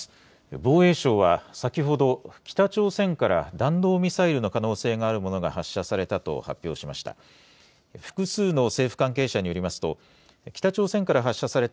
防衛省は、先ほど、北朝鮮から弾道ミサイルの可能性があるものが発射されたと発表しました。